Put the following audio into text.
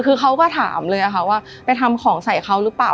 คือเขาก็ถามเลยค่ะว่าไปทำของใส่เขาหรือเปล่า